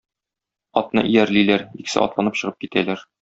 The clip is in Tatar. Атны иярлиләр, икесе атланып чыгып китәләр.